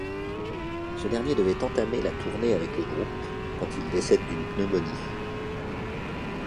Ce dernier devait entamer la tournée avec le groupe quand il décède d'une pneumonie.